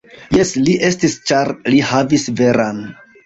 Jes, li estis ĉar li havis veran.